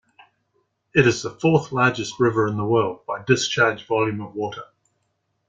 It is the fourth largest river in the world by discharge volume of water.